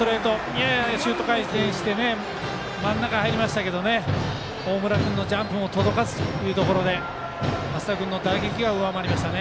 ややシュート回転して真ん中、入りましたけど大村君のジャンプも届かずというところで松下君の打撃が勝りましたね。